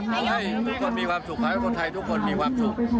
ระวังแต่ให้ทุกคนมีความสุขขอให้คนไทยมีความสุข